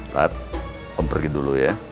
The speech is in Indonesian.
saat om pergi dulu ya